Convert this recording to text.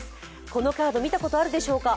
このカード見たことあるでしょうか？